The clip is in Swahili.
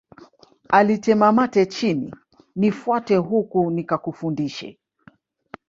Alitema mate chini nifuate huku nikakufundishe